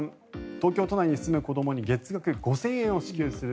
東京都内に住む子どもに月額５０００円を支給する。